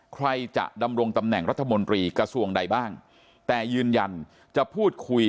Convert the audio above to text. ใครจะดำรงตำแหน่งรัฐมนตรีกระทรวงใดบ้างแต่ยืนยันจะพูดคุย